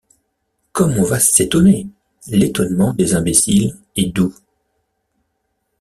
Comme on va s’étonner! l’étonnement des imbéciles est doux.